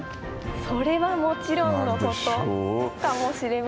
それはもちろんのことかもしれませんけれども。